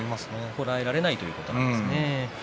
こらえられないということなんですね。